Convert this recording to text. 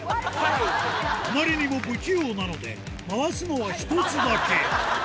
あまりにも不器用なので、回すのは１つだけ。